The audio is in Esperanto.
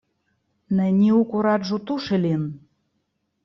Neniu kuraĝu tuŝi lin!